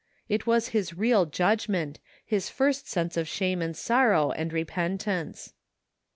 It was his real judgment, his first sense of shame and sorrow and repentance.